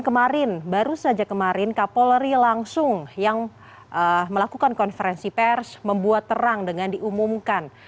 kemudian pak roy dalam surat juga dinyatakan